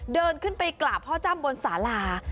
เดินขึ้นไปกราบพ่อจ้ำบนสารา